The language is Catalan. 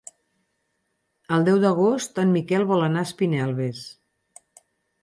El deu d'agost en Miquel vol anar a Espinelves.